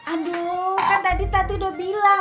aduh kan tadi tati udah bilang